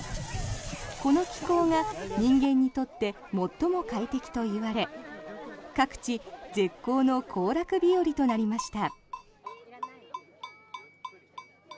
この気候が人間にとって最も快適といわれ各地、絶好の行楽日和となりました。